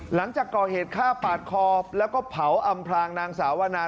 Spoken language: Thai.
หลังจากก่อเหตุฆ่าปาดคอแล้วก็เผาอำพลางนางสาวนา